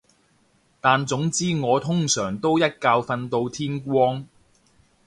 但總之我通常都一覺瞓到天光